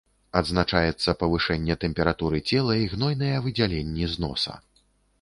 Адзначаецца павышэнне тэмпературы цела і гнойныя выдзяленні з носа.